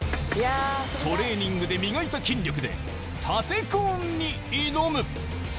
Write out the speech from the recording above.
トレーニングで磨いた筋力で縦コーンに挑む。